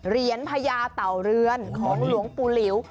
เหรียญพญาเต่าเรือนของหลวงปูหลิว